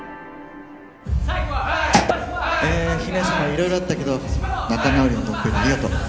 いろいろあったけど仲直りのドンペリありがとう。